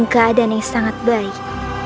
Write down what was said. mereka berdua juga lebih baik